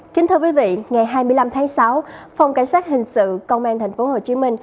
kính thưa quý vị ngày hai mươi năm tháng sáu phòng cảnh sát hình sự công an tp hcm